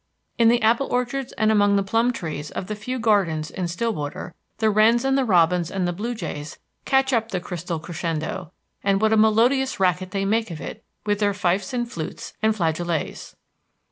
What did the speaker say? In the apple orchards and among the plum trees of the few gardens in Stillwater, the wrens and the robins and the blue jays catch up the crystal crescendo, and what a melodious racket they make of it with their fifes and flutes and flageolets!